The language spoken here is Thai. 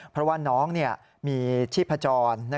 เพราะว่าน้องมีชีพจร